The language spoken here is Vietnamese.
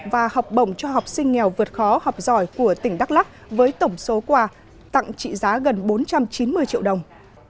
và học bổng cho học sinh nghèo vượt khó học giỏi của tỉnh đắk lắc với tổng số quà tặng trị giá gần bốn trăm chín mươi triệu đồng